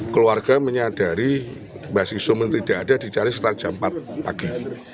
keluarga menyadari mbak sisum ini tidak ada dicari setelah jam empat pagi